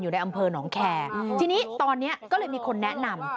ในอำเภอหนองแคร์ทีนี้ตอนนี้ก็เลยมีคนแนะนำ